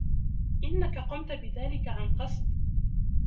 إنك قمت بذلك عن قصد!